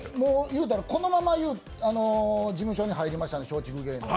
言うたら、このまま事務所に入りましたので、松竹芸能に。